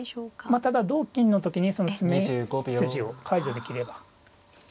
まあただ同金の時にその詰み筋を解除できれば。